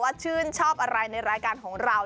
ชื่นชอบอะไรในรายการของเรา